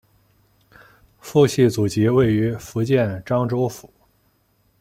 父系祖籍位于福建漳州府。